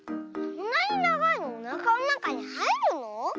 そんなにながいのおなかのなかにはいるの？